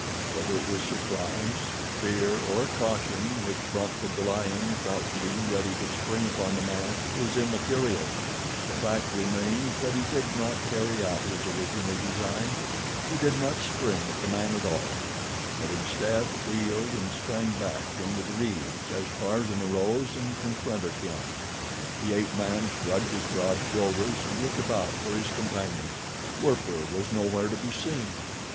Whether it was surprise, fear or caution which prompted the lion crouching ready to spring upon the man, is immaterial—the fact remains that he did not carry out his original design, he did not spring at the man at all, but, instead, wheeled and sprang back into the reeds as Tarzan arose and confronted him. The ape man shrugged his broad shoulders and looked about for his companion. Werper was nowhere to be seen.